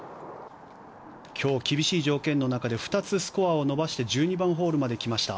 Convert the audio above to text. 今日、厳しい条件の中で２つスコアを伸ばして１２番ホールまで来ました。